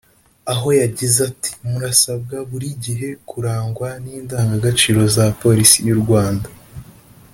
aho yagize ati “Murasabwa buri gihe kurangwa n’indangagaciro za Polisi y’u Rwanda